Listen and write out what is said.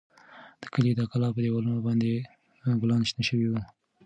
د کلي د کلا په دېوالونو باندې ګلان شنه شوي وو.